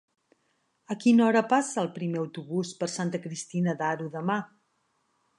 A quina hora passa el primer autobús per Santa Cristina d'Aro demà?